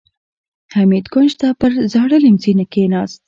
حميد کونج ته پر زاړه ليمڅي کېناست.